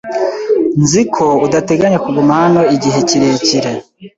Nzi ko udateganya kuguma hano igihe kirekire.